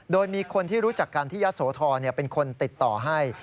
โดยมีคนที่รู้จักกันที่ยะโสธรเป็นคนติดต่อให้